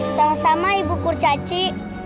sama sama ibu kurcaci